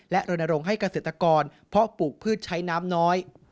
และรณรงค์ให้เกษตรกรเพาะปลูกพืชใช้น้ำน้อย